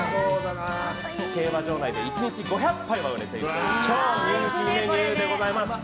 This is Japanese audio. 競馬場内で１日５００杯は売れている超人気メニューでございます。